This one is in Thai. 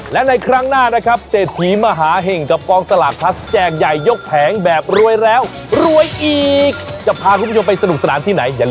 และอย่าลืมนะทุกคนลอตเตอรี่ออนไลน์